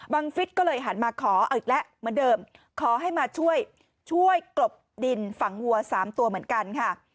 ฟิศก็เลยหันมาขอเอาอีกแล้วเหมือนเดิมขอให้มาช่วยช่วยกลบดินฝังวัว๓ตัวเหมือนกันค่ะ